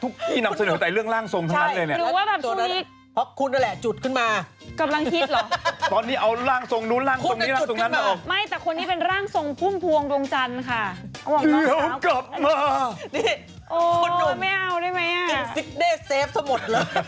กินซิทเนสเซฟสะหมด